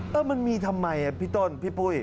มันมีทำไมพี่ต้นพี่ปุ้ย